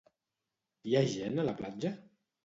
Hi ha gent a la platja?